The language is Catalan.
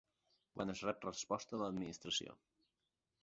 Quan es rep la resposta de l'Administració.